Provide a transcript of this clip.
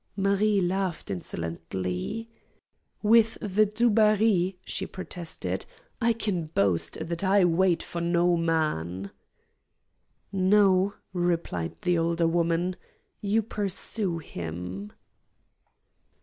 Marie laughed insolently. "With the Du Barry," she protested, "I can boast that I wait for no man." "No," replied the older woman; "you pursue him!"